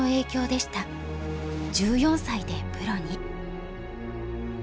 １４歳でプロに。